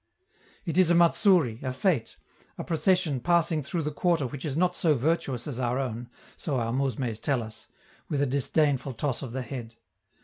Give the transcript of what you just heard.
It is a 'matsouri', a fete, a procession passing through the quarter which is not so virtuous as our own, so our mousmes tell us, with a disdainful toss of the head.